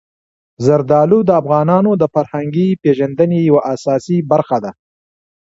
زردالو د افغانانو د فرهنګي پیژندنې یوه اساسي برخه ده.